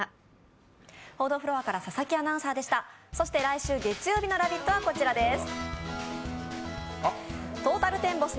そして来週月曜日の「ラヴィット！」はこちらです。